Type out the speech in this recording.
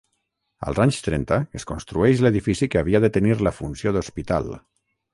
Als anys trenta es construeix l'edifici que havia de tenir la funció d'hospital.